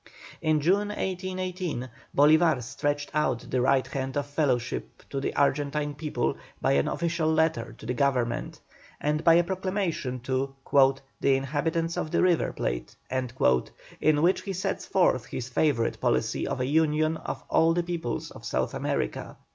In June, 1818, Bolívar stretched out the right hand of fellowship to the Argentine people by an official letter to the Government, and by a proclamation to "the inhabitants of the River Plate," in which he sets forth his favourite policy of a union of all the peoples of South America.